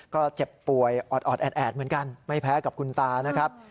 ก็เจ็บป่วยออดแอดเหมือนกันไม่แพ้กับคุณตานะครับ